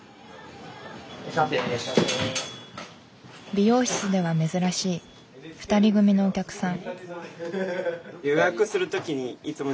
美容室では珍しい２人組のお客さん。